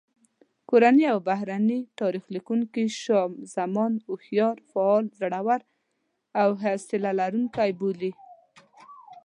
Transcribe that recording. کورني او بهرني تاریخ لیکونکي شاه زمان هوښیار، فعال، زړور او حوصله لرونکی بولي.